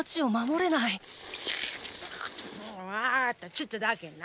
ちょっとだけな。